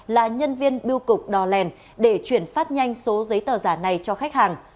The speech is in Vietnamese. là nhân viên biêu cục đò lèn để chuyển phát nhanh số giấy tờ giả này cho khách hàng